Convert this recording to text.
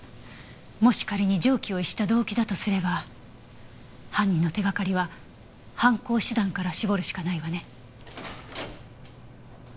もし仮に常軌を逸した動機だとすれば犯人の手がかりは犯行手段から絞るしかないわね。